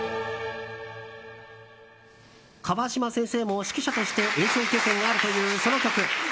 川島先生も指揮者として演奏経験があるというその曲。